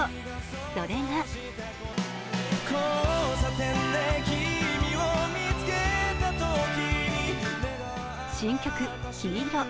それが新曲「黄色」。